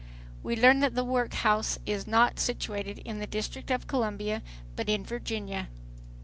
We learn that the workhouse is not situated in the District of Columbia but in Virginia.